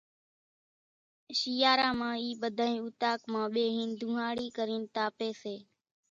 شيئارا مان اِي ٻڌانئين اُوطاق مان ٻيۿينَ ڌونۿاڙِي ڪرينَ تاپيَ سي۔